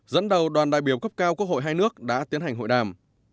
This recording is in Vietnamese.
dẫn đầu đoàn đại biểu cấp cao quốc hội hai nước đã tiến hành hội đàm